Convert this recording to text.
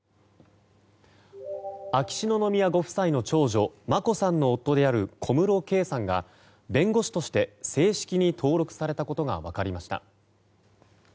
秋篠宮ご夫妻の長女・眞子さんの夫である小室圭さんが、弁護士として正式に登録されたことが分かりました。